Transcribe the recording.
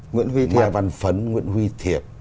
nhà văn phấn nguyễn huy thiệp